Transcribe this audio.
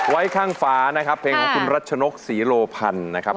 ไว้ข้างฝานะครับเพลงของคุณรัชนกศรีโลพันธ์นะครับ